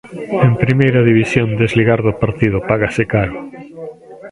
En Primeira División, desligar do partido págase caro.